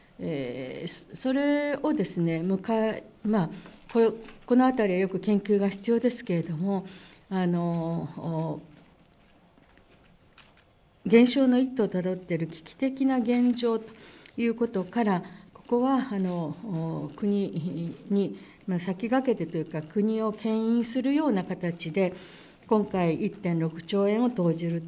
それを、このあたりはよく研究が必要ですけれども、減少の一途をたどっている危機的な現状ということから、ここは国に先駆けてというか、国をけん引するような形で、今回、１．６兆円を投じると。